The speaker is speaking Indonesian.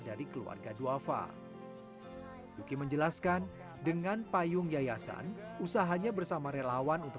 dari keluarga duafa luki menjelaskan dengan payung yayasan usahanya bersama relawan untuk